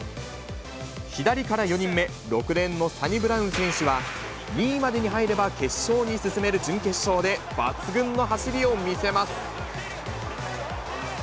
左から４人目、６レーンのサニブラウン選手は、２位までに入れば決勝に進める準決勝で抜群の走りを見せます。